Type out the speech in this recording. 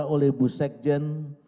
oleh bu sekjen